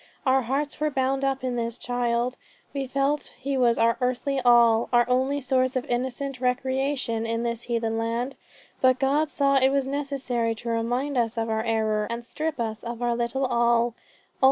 Our hearts were bound up in this child; we felt he was our earthly all, our only source of innocent recreation in this heathen land. But God saw it was necessary to remind us of our error and strip us of our little all.